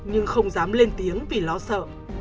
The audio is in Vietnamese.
nhưng không dám lên tiếng vì lo sợ